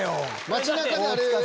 街中であれ。